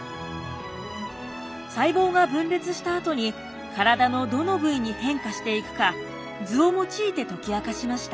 細胞が分裂したあとに体のどの部位に変化していくか図を用いて解き明かしました。